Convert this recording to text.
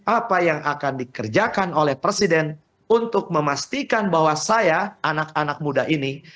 apa yang akan dikerjakan oleh presiden untuk memastikan bahwa saya anak anak muda ini